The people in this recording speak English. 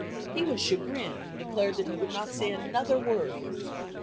He was chagrined, and declared that he would not say another word.